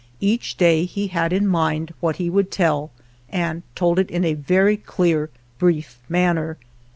Each day he had in mind what he would tell and told it in a very clear, brief manner.